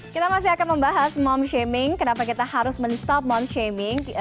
kita masih akan membahas mom shaming kenapa kita harus men stop mom shaming